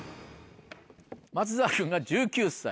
松田君が１９歳。